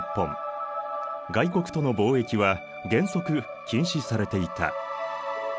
外国との貿易は原則禁止されていた。